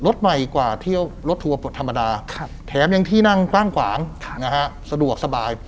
รถใหม่กว่าเที่ยวรถทัวร์ธรรมดาแถมยังที่นั่งกว้างขวางสะดวกสบาย